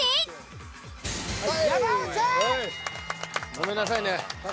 ごめんなさいね。